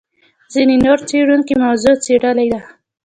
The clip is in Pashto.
ځینې نور څېړونکي موضوع څېړلې ده.